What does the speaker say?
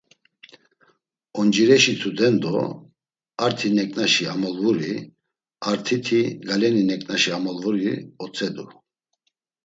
Oncireşi tudendo, arti neǩnaşi amolvuri, artiti galeni neǩnaşi amolvuri otzedu.